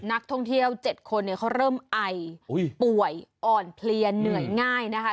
นักท่องเที่ยว๗คนเขาเริ่มไอป่วยอ่อนเพลียเหนื่อยง่ายนะคะ